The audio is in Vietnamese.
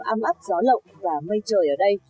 âm ấp gió lộng và mây trời ở đây